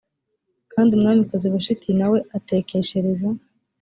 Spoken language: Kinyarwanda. kandi umwamikazi vashiti na we atekeshereza